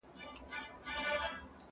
زه کولای سم منډه ووهم!